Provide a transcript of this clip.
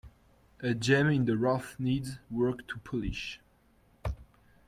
A gem in the rough needs work to polish.